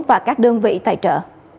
và các đơn vị tài trợ